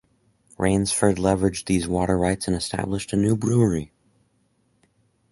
Rainsford leveraged these water rights and established a new brewery.